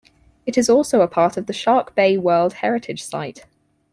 It is also a part of the Shark Bay World Heritage Site.